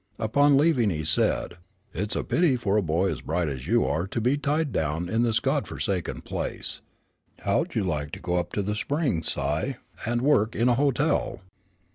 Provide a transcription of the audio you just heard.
Upon leaving, he said, "It's a pity for a boy as bright as you are to be tied down in this God forsaken place. How'd you like to go up to the Springs, Si, and work in a hotel?"